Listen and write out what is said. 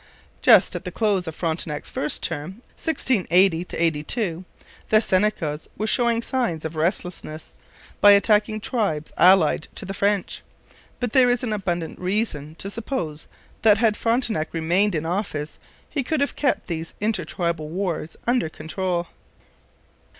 Just at the close of Frontenac's first term (1680 82) the Senecas were showing signs of restlessness by attacking tribes allied to the French, but there is abundant reason to suppose that had Frontenac remained in office he could have kept these inter tribal wars under control.